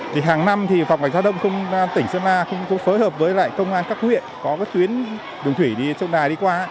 thì hàng năm thì phòng cảnh sát đông công an tỉnh sơn la cũng phối hợp với công an các huyện có tuyến đường thủy đi sông đài đi qua